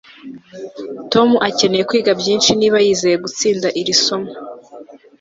Tom akeneye kwiga byinshi niba yizeye gutsinda iri somo